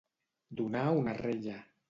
Donar una rella.